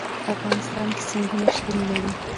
په افغانستان کې سیندونه شتون لري.